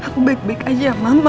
baik baik aja mama